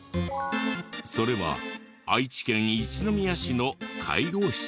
それは愛知県一宮市の介護施設。